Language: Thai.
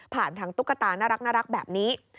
ผ่านทางตุ๊กตาน่ารักแบบนี้